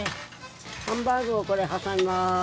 ハンバーグを挟みまーす。